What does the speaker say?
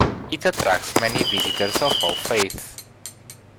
It attracts many visitors of all faiths.